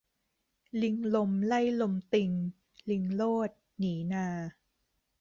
ลิงลมไล่ลมติง ลิงโลด หนีนา